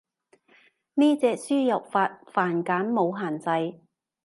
呢隻輸入法繁簡冇限制